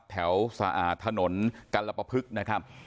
แถวสะอาดถนนกัลปะพึกนะครับ